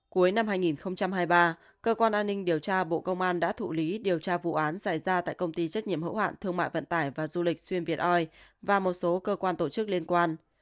cuối năm hai nghìn hai mươi ba cơ quan an ninh điều tra bộ công an đã thụ lý điều tra vụ án xảy ra tại công ty trách nhiệm hữu hạn thương mại vận tải và du lịch xuyên việt oi và một số cơ quan tổ chức liên quan